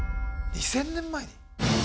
２，０００年前に？